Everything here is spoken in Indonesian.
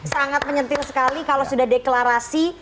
sangat menyentil sekali kalau sudah deklarasi